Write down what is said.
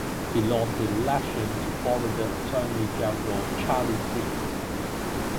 He lost the election to Florida Attorney General Charlie Crist.